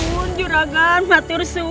matursun juragan matursun